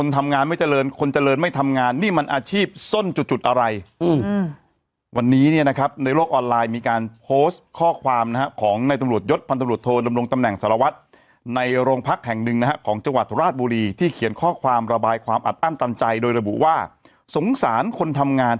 แต่ช่วงนี้ไม่มีสัญญาณเตือนก่อน